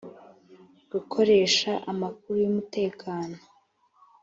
gukoresha amakuru y’umutekano